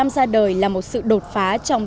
ra đời là một sự đột phá trong